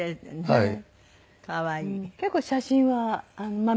はい。